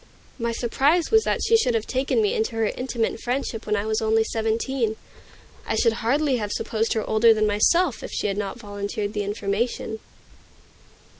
My surprise was that she should have taken me into her intimate friendship when I was only seventeen. I should hardly have supposed her older than myself, if she had not volunteered the information.